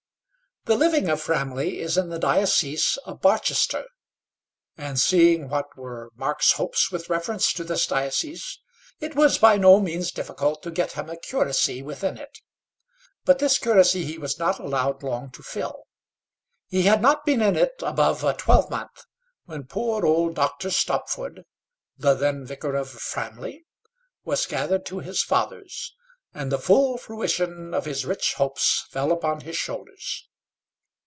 The living of Framley is in the diocese of Barchester; and, seeing what were Mark's hopes with reference to that diocese, it was by no means difficult to get him a curacy within it. But this curacy he was not allowed long to fill. He had not been in it above a twelvemonth, when poor old Dr. Stopford, the then vicar of Framley, was gathered to his fathers, and the full fruition of his rich hopes fell upon his shoulders.